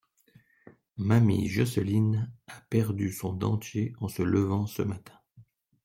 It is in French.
Mamie Joseline a perdu son dentier en se levant ce matin.